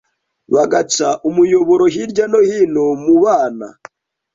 bagaca umuyoboro hirya no hino mubana